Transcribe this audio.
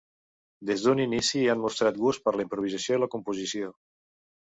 Des d'un inici han mostrat gust per la improvisació i la composició.